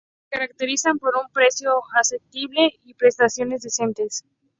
Se caracterizan por un precio asequible y prestaciones decentes.